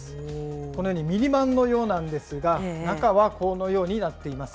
このようにミニバンのようなんですが、中はこのようになっています。